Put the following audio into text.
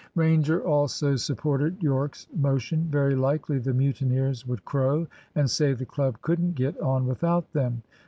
Ranger also supported Yorke's motion. Very likely the mutineers would crow, and say the club couldn't get on without them.